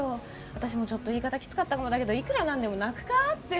私もちょっと言い方キツかったかもだけどいくらなんでも泣くかって。